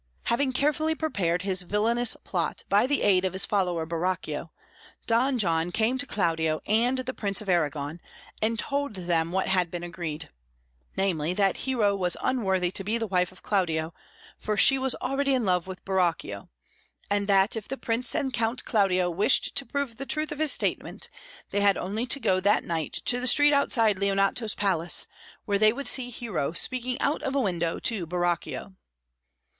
Having carefully prepared his villainous plot by the aid of his follower Borachio, Don John came to Claudio and the Prince of Arragon, and told them what had been agreed namely, that Hero was unworthy to be the wife of Claudio, for she was already in love with Borachio, and that if the Prince and Count Claudio wished to prove the truth of his statement they had only to go that night to the street outside Leonato's palace, where they would see Hero speaking out of a window to Borachio.